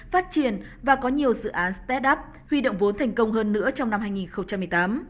phát triển và có nhiều dự án start up huy động vốn thành công hơn nữa trong năm hai nghìn một mươi tám